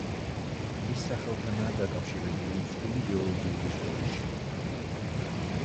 მის სახელთანაა დაკავშირებული მსხვილი გეოლოგიური სკოლის შექმნა.